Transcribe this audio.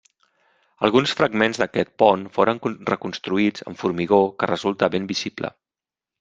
Alguns fragments d'aquest pont foren reconstruïts amb formigó, que resulta ben visible.